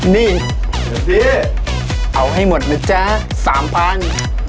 นี่พี่เอาให้หมดนะจ๊ะสามพัน